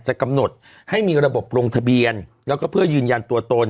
กำหนดให้มีระบบลงทะเบียนแล้วก็เพื่อยืนยันตัวตน